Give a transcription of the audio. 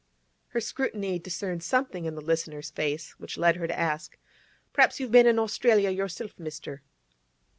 Her scrutiny discerned something in the listener's face which led her to ask: 'Perhaps you've been in Australia yourself, mister?